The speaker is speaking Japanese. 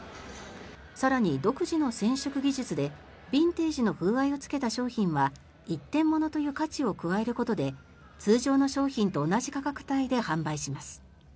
更に、独自の染色技術でビンテージの風合いをつけた商品は一点物という価値を加えることで通常の商品と同じ価格帯で販売します。